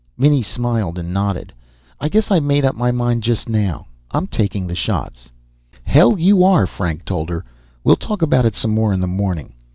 Minnie smiled and nodded. "I guess I made up my mind just now. I'm taking the shots." "Hell you are!" Frank told her. "We'll talk about it some more in the morning."